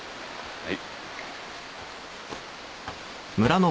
はい。